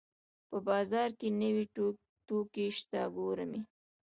په بازار کې نوې توکي شته ګورم یې